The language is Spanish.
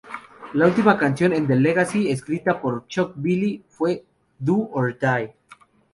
La única canción en The Legacy escrita por Chuck Billy fue "Do or Die".